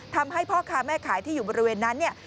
ทำให้พ่อค้าแม่ขายที่อยู่บริเวณนั้นเนี่ย